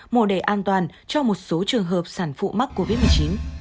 mô đề an toàn cho một số trường hợp sản phụ mắc covid một mươi chín